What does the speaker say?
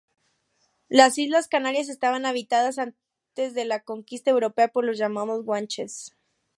Las Islas Canarias estaban habitadas antes de la conquista europea por los llamados guanches.